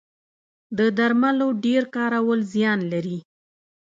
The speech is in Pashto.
د درملو ډیر کارول زیان لري